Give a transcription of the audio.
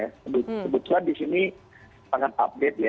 kebetulan di sini sangat update ya